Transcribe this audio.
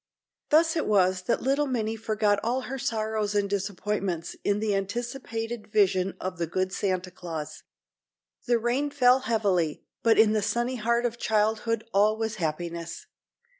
Thus it was that little Minnie forgot all her sorrows and disappointments in the anticipated vision of the good Santa Claus. The rain fell heavily, but in the sunny heart of childhood all was happiness.